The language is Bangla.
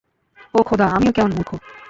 ওহ খোদা, আমিও কেমন মূর্খ।